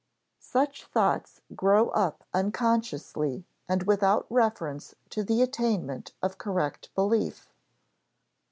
Such thoughts grow up unconsciously and without reference to the attainment of correct belief.